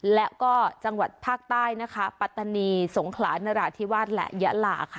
และก็จังหวัดภาคใต้นะคะปัตตานีสงขลานราธิวาสและยะลาค่ะ